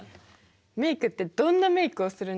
メイクってどんなメイクをするんですか？